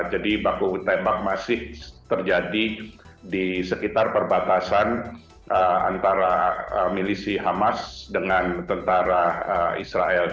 jadi baku tembak masih terjadi di sekitar perbatasan antara milisi hamas dengan tentara israel